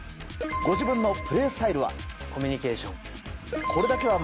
ご自分のプレースタイルは。